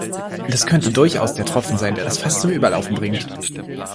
Das könnte durchaus der Tropfen sein, der das Fass zum Überlaufen bringt.